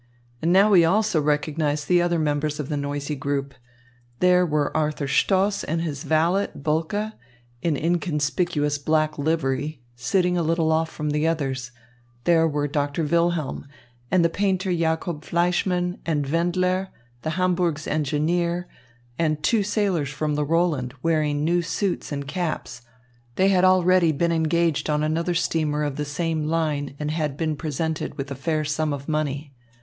And now he also recognised the other members of the noisy group. There were Arthur Stoss and his valet, Bulke, in inconspicuous black livery, sitting a little off from the others. There were Doctor Wilhelm, and the painter Jacob Fleischmann, and Wendler, the Hamburg's engineer, and two sailors from the Roland, wearing new suits and caps. They had already been engaged on another steamer of the same line and had been presented with a fair sum of money.